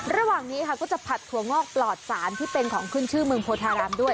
ระหว่างนี้ค่ะก็จะผัดถั่วงอกปลอดสารที่เป็นของขึ้นชื่อเมืองโพธารามด้วย